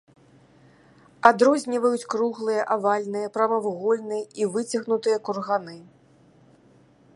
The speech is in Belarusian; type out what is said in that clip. Адрозніваюць круглыя, авальныя, прамавугольныя і выцягнутыя курганы.